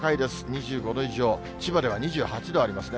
２５度以上、千葉では２８度ありますね。